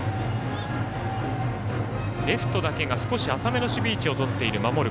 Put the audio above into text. レフトだけが浅めの守備位置をとっている守る